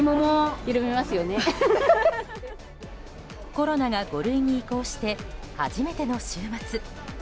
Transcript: コロナが５類に移行して初めての週末。